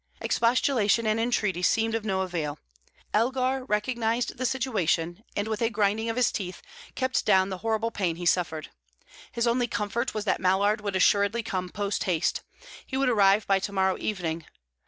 Expostulation and entreaty seemed of no avail; Elgar recognized the situation, and with a grinding of his teeth kept down the horrible pain he suffered. His only comfort was that Mallard would assuredly come post haste; he would arrive by to morrow evening.